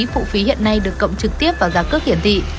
phụ phí hiện nay được cộng trực tiếp vào giá cước hiển thị